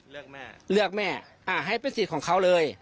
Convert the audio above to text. เลือกแม่เลือกแม่ให้เป็นสิทธิ์ของเขาเลย